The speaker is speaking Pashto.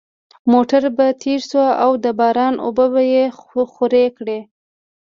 موټر به تېر شو او د باران اوبه به یې خورې کړې